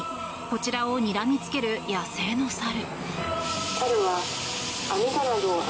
こちらをにらみつける野生の猿。